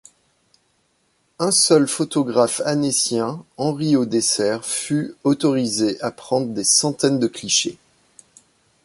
Un seul photographe annécien Henri Odesser fut autorisé à prendre des centaines de clichés.